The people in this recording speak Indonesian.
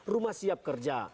rumah siap kerja